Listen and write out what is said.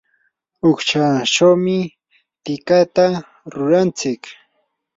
uqshawanmi tikata rurantsik.